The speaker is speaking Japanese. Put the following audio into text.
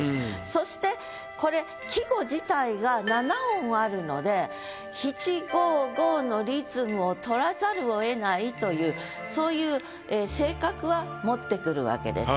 そしてこれ季語自体が７音あるので７・５・５のリズムを取らざるをえないというそういう性格は持ってくるわけです。